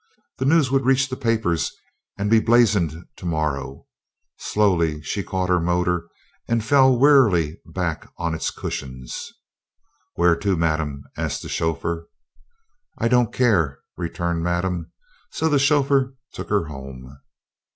The news would reach the papers and be blazoned to morrow. Slowly she caught her motor and fell wearily back on its cushions. "Where to, Madame?" asked the chauffeur. "I don't care," returned Madame; so the chauffeur took her home.